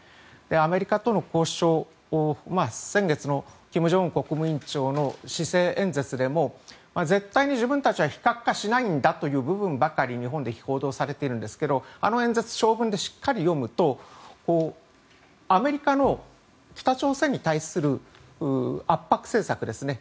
アメリカとの交渉を先月の金正恩国務委員長の施政演説でも絶対に自分たちは非核化しないんだという部分ばかり日本で報道されているんですがあの演説を長文でしっかり読むとアメリカの北朝鮮に対する圧迫政策ですね